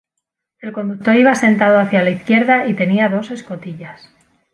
El conductor iba sentado hacia la izquierda y tenía dos escotillas.